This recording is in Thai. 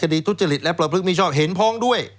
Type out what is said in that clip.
พนักคดีทุศจลิตแบบมีชอบเห็นพ้องด้วย